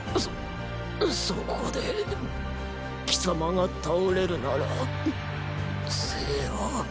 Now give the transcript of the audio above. そそこで貴様が倒れるなら政は。